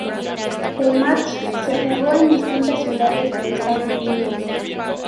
El match se jugó en distintas ciudades de Estados Unidos.